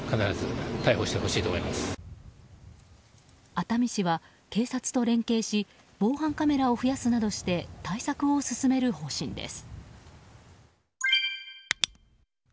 熱海市は、警察と連携し防犯カメラを増やすなどして対策を進める方針です。